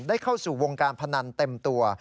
เข้าสู่วงการพนันเต็มตัว